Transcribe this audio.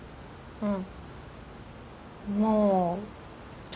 うん？